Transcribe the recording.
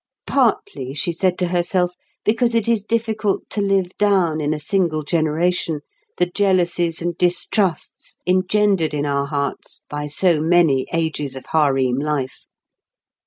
Partly, she said to herself, because it is difficult to live down in a single generation the jealousies and distrusts engendered in our hearts by so many ages of harem life.